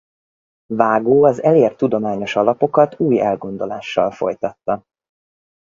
Vágó az elért tudományos alapokat új elgondolással folytatta.